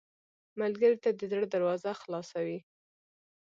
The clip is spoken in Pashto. ملګری ته د زړه دروازه خلاصه وي